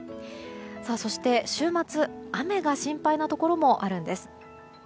そして、週末雨が心配なところもあるんです。